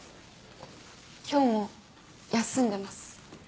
今日も休んでます。